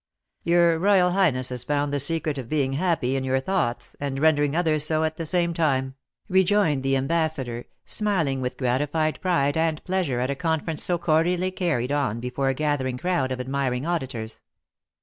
"Your royal highness has found the secret of being happy in your thoughts, and rendering others so at the same time," rejoined the ambassador, smiling with gratified pride and pleasure at a conference so cordially carried on before a gathering crowd of admiring auditors.